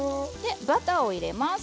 バターを入れます。